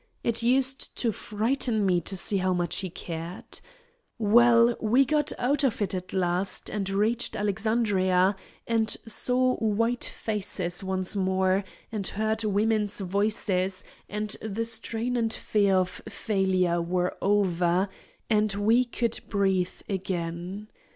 It used to frighten me to see how much he cared. Well, we got out of it at last, and reached Alexandria, and saw white faces once more, and heard women's voices, and the strain and fear of failure were over, and we could breathe again.